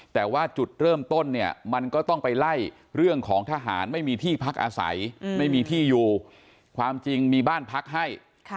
แต่ว่าจุดเริ่มต้นเนี่ยมันก็ต้องไปไล่เรื่องของทหารไม่มีที่พักอาศัยไม่มีที่อยู่ความจริงมีบ้านพักให้